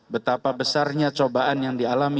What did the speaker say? betapa besarnya cobaan yang kita lakukan